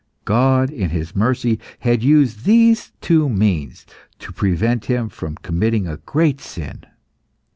God, in His mercy, had used these two means to prevent him from committing a great sin.